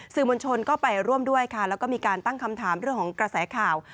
มวลชนก็ไปร่วมด้วยค่ะแล้วก็มีการตั้งคำถามเรื่องของกระแสข่าว